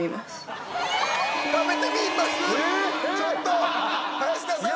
ちょっと林田さん！